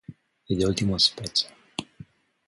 E de ultima speță.